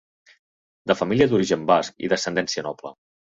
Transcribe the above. De família d'origen basc i d'ascendència noble.